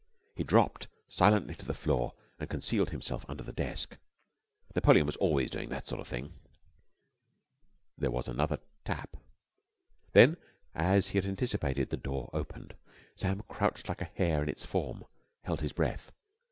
He dropped silently to the floor and concealed himself under the desk. Napoleon was always doing that sort of thing. There was another tap. Then, as he had anticipated, the door opened. Sam, crouched like a hare in its form, held his breath.